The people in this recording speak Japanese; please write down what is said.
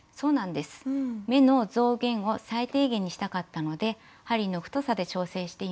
目の増減を最低限にしたかったので針の太さで調整しています。